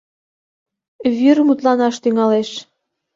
Вӱр мутланаш тӱҥалеш...